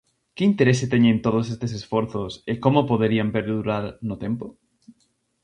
Que interese teñen todos estes esforzos e como poderían perdurar no tempo?